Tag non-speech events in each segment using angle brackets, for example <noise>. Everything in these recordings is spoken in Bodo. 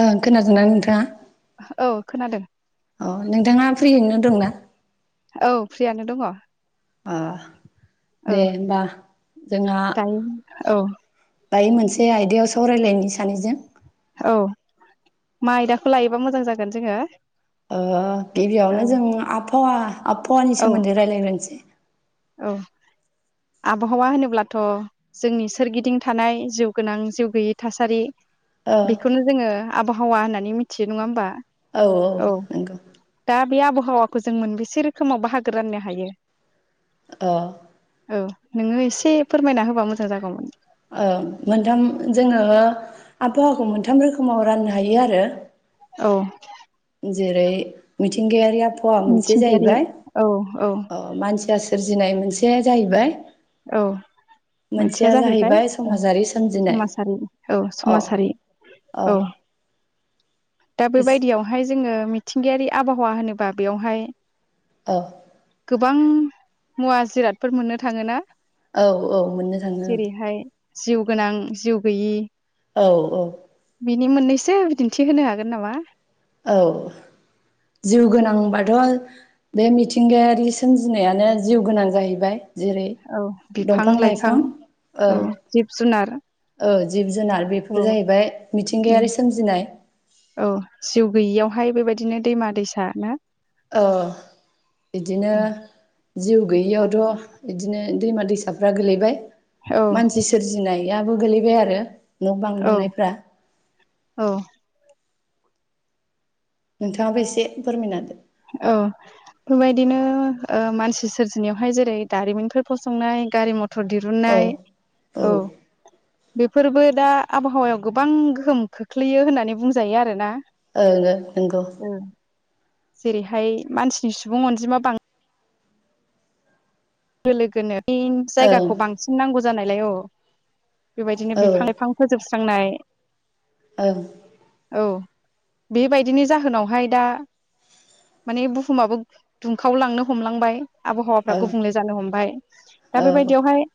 ओं खोनादोंना नोंथाङा? औ खोनादों। अ नोंथाङा फ्रियैनो दंना? औ फ्रियानो दङ औ अ दे होमबा जोंहा दायो औ दायो मोनसे आयदायाव सावरायलायनि सानैजों। औ मा आयदाखौ लायोबा मोजां जागोन जोङो। ओ ओ औ गिबियावनो जों आबहावा आबहावानि औ सोमोन्दै रायलायग्रोनसै। औ आबहावा होनोब्लाथ जोंनि सोरगिदिं थानाय जिउगोनां जिउ गैयि थासारि। ओ बेखौनो जोङो आबहावा होननानै मिथियो नङा होमबा? औ औ नंगौ। हावाखौ जों मोनबेसे रोखोमाव बाहागो राननो हायो। अ। औ नोङो एसे फोरमायना होबा मोजां जागौमोन। औ मोनथाम जोङो आबहावाखौ मोनथाम रोखो माव राननो हायो आरो औ जेरै मिथिंगायारिया आब हावा मोनसे मिथिंगायारि जाहैबाय औ औ अ मानसिया सोरजिनाय मोनसेया जाहैबाय औ मोनसेया जाहैबाय ओं समाजारि औ अ समाजारि औ दा बेबायदियावहाय जोङो मिथिंगायारि आबहावा होनोबा बेवहाय औ गोबां मुवा जिरादफोर मोननो थाङोना औ औ मोननो थांङो औ जेरैहाय जिउ गोनां जिउ गैयि औ औ बिनि मोननैसो बिदिन्थि होनो हागोन नामा औ जिउ गोनांबाथ' बे मिथिंगायारि सोमजिनायानो जिउ गोनां जाहैबाय। जेरै औ बिफां दंफां लाइफां ओ औ जिब जुनार ओ जिब जुनार औ बेफोर जाहैबाय मिथिंगायारि सोमजिनाय। औ जिउ गैयियावहाय बेबायदिनो दैमा दैसा ना ओ बिदिनो जिउ गैयिआवथ' बिदिनो दैमा दैसाफ्रा गोलैबाय। औ मानसि सोरजिनाय याबो गोलैबाय आरो। न' बां औ लुनायफ्रा औ नोंथांङाबो एसे फोरमायना होदो। औ बेफोरबायदिनो ओ मानसि सोरजिनायावहाय जेरै दारिमिनफोर फसंनाय गारि मथ थर दिरुननाय औ बेफोरबो दा आबहावायाव गोबां गोहोम खोख्लैयो होननानै बुंजायो आरोना ओं ओं नंगौ जेरैहाय मानसिनि सुबुं अनजिमा बां लोगो लोगोनो यिन ओं जायगाखौ बांसिन नांगौ जानायलाय औ बेबायदिनो औ बिफां लाइफां फोजोब स्रांनाय ओं। औ बेबायदिनि जाहोनावहाय दा माने बुहुमाबो दुंखावलांनो हमलांबाय। आबहावाफ्रा ओं गु बुंले जानो हमबाय। दा औ बेबायदियावहाय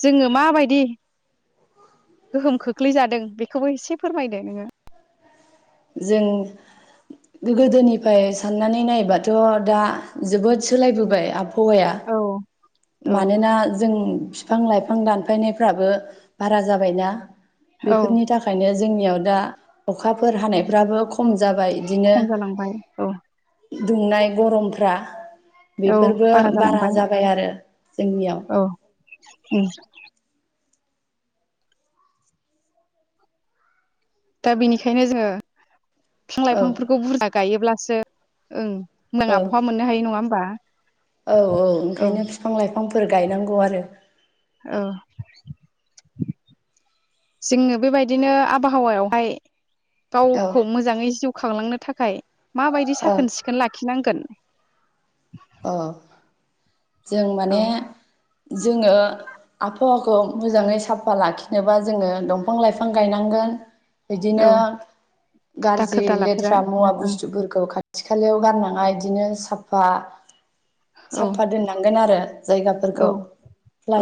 जोंङो माबायदि गोहोम खोख्लैजादों बेखौबो एसे फोरमायदो नोंङो। जों गोदोनिफ्राय साननानै नायोब्लाथ' दा जोबोद सोलायबोबाय आब हावाया। औ औ मानोना जों फिफां लाइफां दानफायनायफ्राबो बारा जाबायना। औ बेफोरनि थाखायनो जोंनियाव दा अखाफोर हानायफ्राबो खम जाबाय। बिदिनो खम जालांबाय औ दुंनाय गरमफ्रा औ बेफोरबो बारा जालांबाय जाबाय आरो जोंनियाव। औ उम। दा बिनिखायनो जोङो फिफां औ लाइफांफोरखौ बुरजा गायोब्ला सो ओं। औ <unintelligible> मोननो हायो नङा होमबा। औ औ ओंखायनो फिफां लाइ फांफोर गायनांगौ आरो औ। जोंनो बेबायदिनो आबहावायावहाय औ गावखौ मोजाङै जिउ खांलांनो थाखाय माबायदि औ साखोन सिखोन लाखि नांगोन औ जों औ माने जोङो आबहावाखौ मोजाङै साफा लाखिनोबा जोङो दंफां लाइफां गायनांगोन। बिदिनो औ दाखोर गाज्रि दालाफोरा लेथ्रा मुवा ओं बुस्थुफोरखौ खा थि खालायाव गारनाङा इदिनो साफा औ साफा दोननांगोन आरो जायगाफोरखौ। औ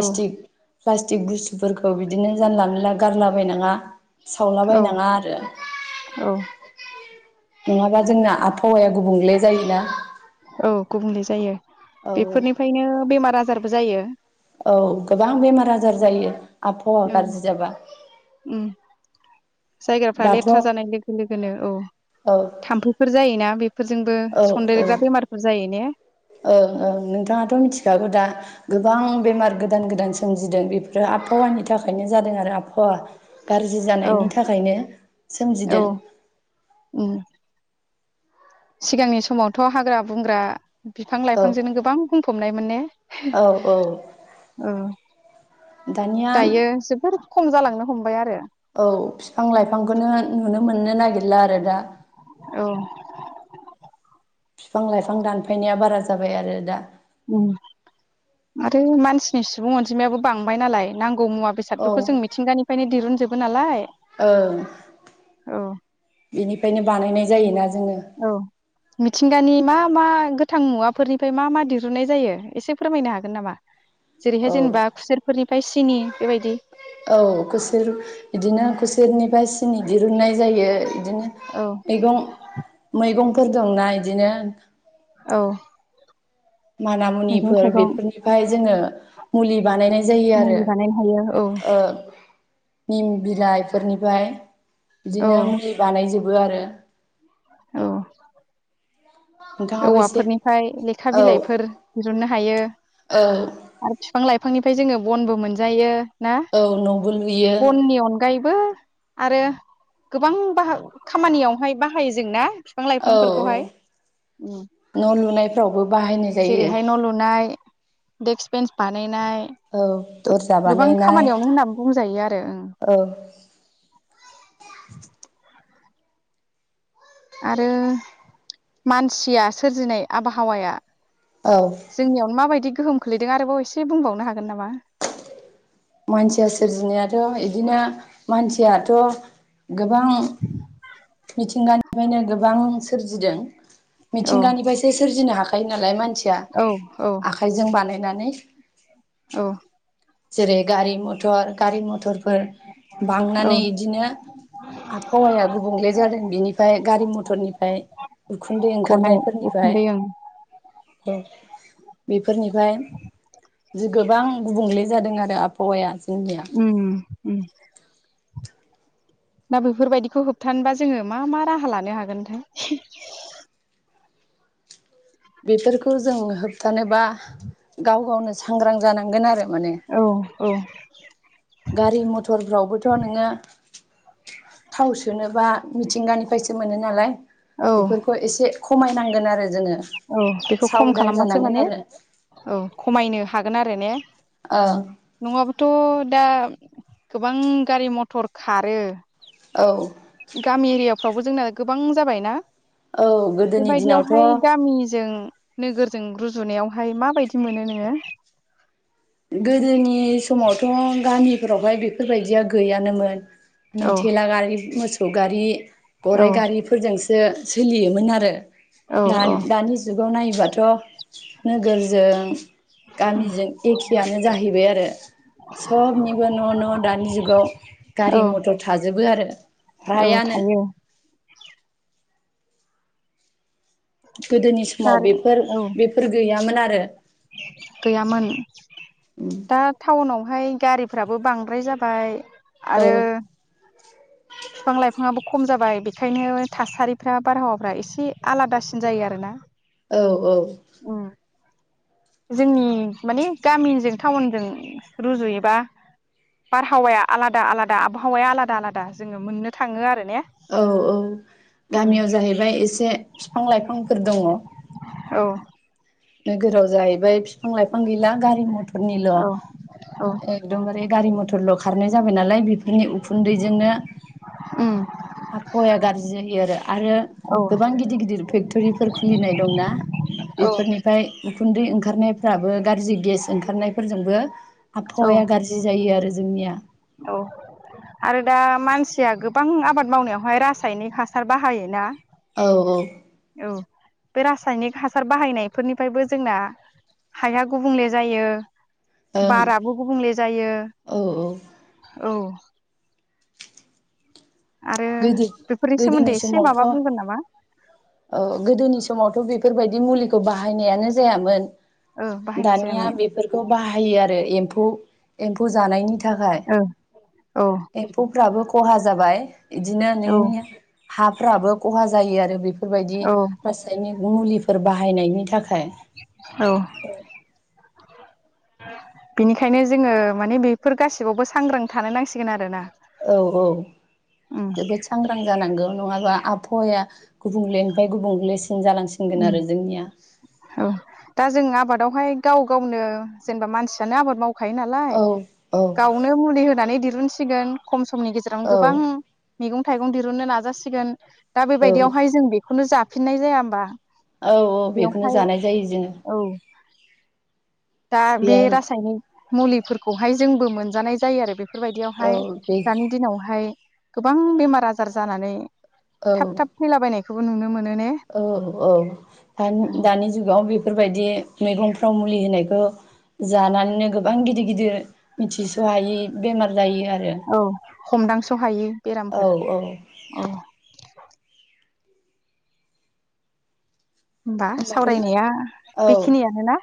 औ प्लास्टिक बुस्थुफोरखौ बिदिनो जानला मानला गारलाबाय नाङा। सावलाबाय औ नाङा आरो औ नङाबा जोंना आबहावाया गुबुंले जायोना। औ गुबुंले जायो। औ औ बेफोरनिफ्रायनो बेमार। बाजारबो जायो। औ गोबां बेमार आजार जायो। आबहावा औ गाज्रि जाबा उम जायगाफ्रा दाथ' औ लेथ्रा जानाय लोगो लोगोनो औ औ थाम्फैफोर जायोना बेफोरजोंबो औ सनदेरग्रा बेमारफोर जायो ने? ओं ओं नोंथाङाथ' मिथिखागौ दा गोबां बेमार गोदान गोदान सोमजिदों बेफोरो आबहावानि थाखायनो जादों आरो आबहावा गाज्रि औ जानायनि थाखायनो सोमजिदों। औ उम सिगांनि समावथ' हाग्रा बंग्रा बिफां औ लाइफांजोंनो गोबां बुंफबनायमोन ने? औ औ दानिया दायो जोबोर खम जालांनो हमबाय आरो। औ बिफां लाइफांखौनो नुनो मोननो नागिरला आरो दा। औ बिफां लाइफां दानफायनाया बारा जाबाय आरो दा। उम आरो मानसिनि सुबुं अनजिमायाबो बांबाय नालाय नां गौ मुवा औ बेसाफोरखौ जों मिथिंगानिफ्रायनो दिरुनजोब बो नालाय। औ औ बेनिफ्रायनो बानायनाय। जायोना। जोङो औ मिथिंगानि मा मा गोथां मुवाफोरनिफ्राय मा मा दिरुननाय जायो एसे फोरमायनो हागोन नामा? जेरैहाय औ जेनेबा खुसेरफोरनि फ्रायसिनि बेबायदि। औ खुसेर बिदिनो खुसेरनिफ्राय सिनि दिरुननाय जायो। बिदिनो औ मैगं मैगंफोर दंना। बिदिनो। औ। माना मैगं मुनिफोर थाइगं बेफोरनिफ्राय जोङो मुलि बानायनाय जायो आरो मुलि बानायनो हायो औ ओ निम बिलाइफोरनिफ्राय औ बिदिनो मुलि बानायजोब बो आरो। औ। नोंथाङाबो एसे औवाफोरनिफ्राय लेखा औ बिलाइफोर दिरुननो हायो औ आरो बिफां लाइफांनि ओमफ्राय जोङो बनबो मोनजायो। ना औ न'बो लुयो बननि अनगायैबो आरो गोबां बा खामानियावहाय बाहायो जों जोंना औ औ न' लुनाय जेरैहाय न' लुनाय देक्स बेन्स बानायनाय औ दरजा गोबां बानायनाय खामानियावनो होननानै बुंजायो आरो ओं औ आरो मानसिया सोरजिनाय आबहावाया औ जोंनियावनो माबायदि गोहोम खोलैदों आरोबाव एसे बुंबावनो हागोन नामा? मानसिया सोरजिनायाथ' बिदिनो मानसियाथ' गोबां मिथिंगानिफ्रायनो गोबां सोरजिदों। औ मिथिंगानिफ्रायसो सोरजिनो <unintelligible> नायनालाय <unintelligible> ‌ औ औ <unintelligible> आखायजों बानाय बिनानै औ। जेरै गारि मथर गारि <unintelligible> थरफोर औ बांनानै बिदिनो आबहावायाबो <unintelligible> बुंले जादों बेनिफ्राय गारि मथरनिफ्राय उखुन्दै गनाय ओंखारनायफोरनिफ्राय उखुन्दै ओं औ बेफोरनिफ्राय जि गोबां गुबुंले जादों आरो आबहावाया। जोंनिया उम उम। दा बेफोरबायदिखौ होबथानोबा जोङो मा मा राहा लानो हागोनथाय? बेफोरखौ जों <unintelligible> थानोबा गाव गावनो सांग्रां जानांगोन आरो माने औ औ गारि मथरफ्रावबोथ' नोङो थाव सोनोबा मिथिंगानिफ्रायसो मोनो नालाय औ बेफोरखौ एसे खमायनांगोन आरो जोङो। औ बेखौ खम साबधान खालामबासो जानांगोन माने आरो औ खमायनो हागोन आरो। <unintelligible> औ नङाबाथ' दा गोबां गारि मथर खारो। औ। गामि एरियाफ्रावबो जोंना गोबां जाबायना औ गोदोनि बेबायदियावहाय दिनावथ' गामिजों नोगोरजों रुजुनायाव हाय माबायदि मोनो नोङो गोदोनि समावथ' गामिफोरावहाय बेफोरबायदिया गैयानोमोन औ निथि लागारि मोस सौगारि औ गराइ गारिफोरजोंसो सो सोलियोमोन आरो औ दा दानि जुग खौ नायोबाथ' नोगोरजों गामिजों एखेआनो जाहैबाय आरो सबनिबो न' न' दानि जुगाव औ गारि मथर थाजोबो आरो औ फ्रायानो थायो गोदोनि समाव गारि बेफोर औ बेफोर गैया मोन आरो गैयामोन दा टाउनाव ओमफ्राय गारिफ्राबो बांद्राय जाबाय औ आरो बिफां लाइफाङाबो खम जाबाय बेखायनो थासारिफ्रा बारहावाफ्रा एसे आलादासिन जायो आरो ना। औ औ अ जोंनि माने गामिजों टाउनजों रुजुयोबा बारहावाया आलादा आलादा आबहावाया आलादा आलादा जोङो मोननो थाङो आरो ने औ औ गामियाव जाहैबाय एसे बिफां लाइफांफोर दङ। औ नोगोराव जाहैबाय बिफां लाइफां गैला गारि मथरनिल' औ एकदमबारे गारि मथरल' खारनाय जाबाय नालाय बेफोरनि उखुन्दैजोंनो उम आबहावाया गाज्रि जायो आरो आरो औ गोबां गिदिर गिदिर फेक्ट'रिफोर खुलिनाय दंना बेफोरनि उखुन्दै ओंखारनायफ्राबो गाज्रि गेस ओंखारनायफोरजोंबो औ आबहावाया गाज्रि जायो आरो जोंनिया औ आरो दा मानसिया गोबां आबाद मावनायावहाय रासायनिक हासार बाहायोना औ औ औ बे रासायनिक हासार बाहायनायफोरनिफ्रायबो जोंना हाया गुबुंले जायो। ओं बाराबो गुबुंले जायो औ औ औ आरो गोदि बेफोरनि गोदोनि सोमोन्दै एसे समावथ' माबा औ बुंगोन नामा गोदोनि समावथ' बेफोरबायदि मुलिखौ बाहायनायानो जायामोन। ओ बाहायनाय दानिया जायामोन बेफोरखौ बाहायो आरो एम्फौ एम्फौ जानायनि थाखाय ओ औ एम्फौफ्राबो खहा जाबाय इदिनो औ नोंनि हाफ्राबो खहा जायो आरो बेफोरबायदि औ रासायनिक मुलिफोर <unintelligible> औ बिनिखायनो जोङो माने बेफोर गासिबावबो सांग्रां थानो नांसिगोन आरोना औ औ उम जोबोद सांग्रां जानांगौ। नङाबा आबहावाया गुबुंलेनिफाय गुबुंले जालांसिनगोन उम आरो जोंनिया औ दा जों आबादावहाय गाव गावनो जेनेबा मानसियानो आबाद माव खायो नालाय औ औ गावनो मुलि होनानै दिरुन सि सिगोन खम <unintelligible> समनि गेजेरावनो औ गोबां मैगं थाइगं दिरुननो नाजासिगोन दा औ बेबायदियावहाय जों बेखौनो जा फिननाय जाया होमबा? औ औ बेखौनो जो बेयावहाय जानाय जायो जोङो। औ दा बे बेहाय रासायनिक मुलिफोरखौहाय जोंबो मोनजानाय जायो आरो बे बेफोर औ बायदियावहाय बे दानि दिनावहाय गोबां बेमार आजार जानानै औ थाब थाब थैलाबायनायखौ बेखौबो नुनो मोन औ औ दानि दानि जुगाव बेफोर बेफोरबायदि मैगंफ्राव मुलि होनायखौ जानानैनो गोबां गिदिर गिदिर मिथिस हायि बेमार जायो आरो औ हमदांस हायि औ बेरामफोर औ औ होमबा होमबाथ‌ सावरायनाया औ बेखिनियानोना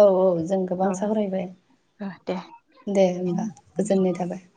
औ औ जों गोबां औ सावरायबाय दे दे होमबा गोजोननाय थाबाय <inaudible>